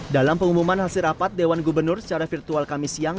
dalam pengumuman hasil rapat dewan gubernur secara virtual kami siang